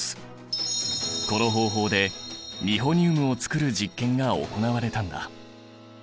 この方法でニホニウムを作る実験が行われたんだ。